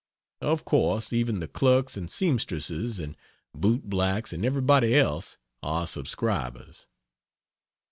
Of course even the clerks and seamstresses and bootblacks and everybody else are subscribers.